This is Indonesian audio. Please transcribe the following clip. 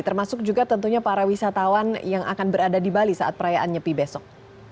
termasuk juga tentunya para wisatawan yang akan berada di bali saat perayaan nyepi besok